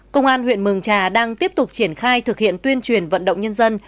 công an huyện mường trà đang tiếp tục triển khai thực hiện tuyên truyền vận động nhân dân